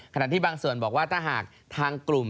ขณะที่บางส่วนบอกว่าถ้าหากทางกลุ่ม